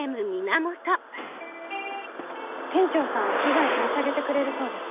店長さん被害取り下げてくれるそうです。